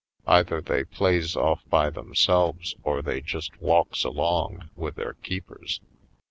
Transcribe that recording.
Either they plays ofif by themselves or they just walks along with their keepers.